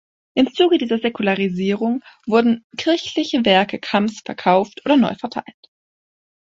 Im Zuge dieser Säkularisierung wurden kirchliche Werke Kamms verkauft oder neu verteilt.